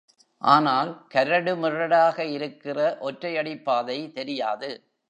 ஆனால் கரடு முரடாக இருக்கிற ஒற்றை அடிப்பாதை தெரியாது.